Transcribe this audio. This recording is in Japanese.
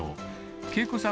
恵子さん